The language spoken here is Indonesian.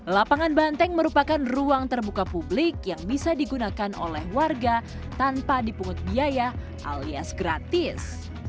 lapangan banteng merupakan ruang terbuka publik yang bisa digunakan oleh warga tanpa dipungut biaya alias gratis